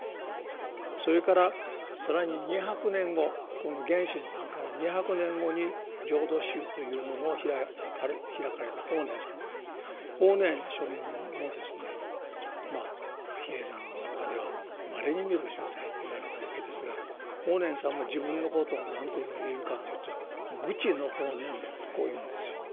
それから更に２００年後この源信さんから２００年後に浄土宗というものを開かれた法然さん法然上人もですね比叡山の中ではまれに見る秀才と言われたわけですが法然さんも自分のことを何と呼んでいるかというと愚癡の法然坊とこう言うんですよ。